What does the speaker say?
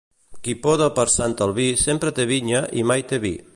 Qui poda per Sant Albí sempre té vinya i mai té vi.